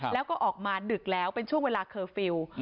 แล้วก็ออกมาดึกแล้วเป็นช่วงเวลาเคอร์ฟิลล์